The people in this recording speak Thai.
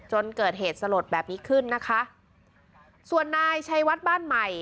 จนเกิดเหตุสลดแบบนี้ขึ้นนะคะส่วนนายชัยวัดบ้านใหม่